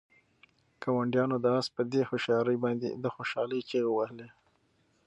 ګاونډیانو د آس په دې هوښیارۍ باندې د خوشحالۍ چیغې وهلې.